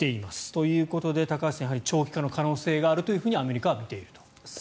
ということで高橋さん長期化の可能性があるとアメリカが見ていると。